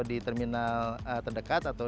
di terminal terdekat atau